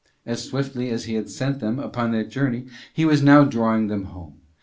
As swiftly as he had sent them upon that journey he was now drawing them home.